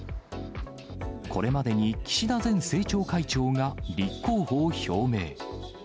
これまでに岸田前政調会長が立候補を表明。